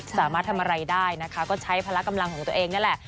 สามารถทำอะไรได้นะคะก็ใช้พละกำลังของตัวเองนั่นแหละ